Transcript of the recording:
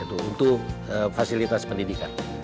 untuk fasilitas pendidikan